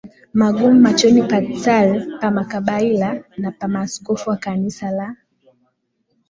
magumu machoni pa Tsar pa makabaila na pa maaskofu wa Kanisa la